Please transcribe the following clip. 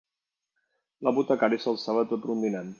L'apotecari s'alçava tot rondinant